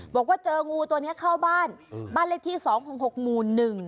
บอกว่าเจองูตัวนี้เข้าบ้านบ้านเลขที่๒๖๖หมู่๑